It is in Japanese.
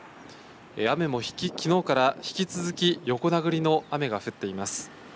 雨もきのうから引き続き横殴りの雨が降っています。